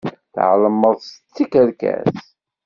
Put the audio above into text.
Tɛelmeḍ d tikerkas.